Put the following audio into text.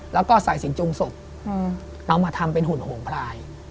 แล้วก็สายสินจุงศพเอามาทำเป็นหุ่นหงพลาย